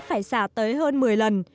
phải xả tới hơn một mươi lần